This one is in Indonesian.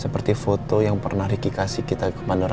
perhatikan kita bakal lancar